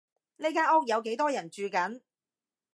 呢間屋有幾多人住緊？